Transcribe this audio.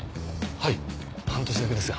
はい半年だけですが。